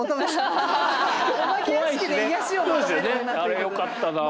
あれよかったなあ。